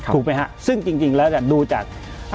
ถูกไหมฮะซึ่งจริงแล้วดูจาก